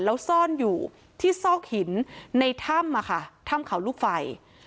แล้วซ่อนอยู่ที่ซอกหินในถ้ำอะค่ะถ้ำเขาลูกไฟ